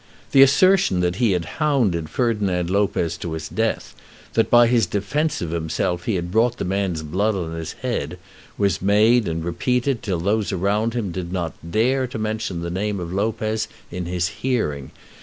The assertion that he had hounded Ferdinand Lopez to his death, that by his defence of himself he had brought the man's blood on his head, was made and repeated till those around him did not dare to mention the name of Lopez in his hearing.